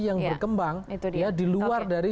yang berkembang di luar dari